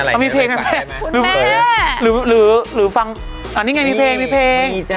พอยกไว้ไม่ได้นะ